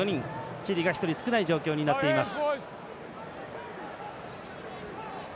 チリが１人少ない状況になっています。